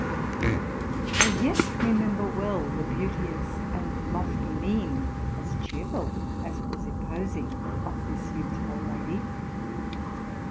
I yet remember well the beauteous and lofty mien, as cheerful as it was imposing, of this youthful lady.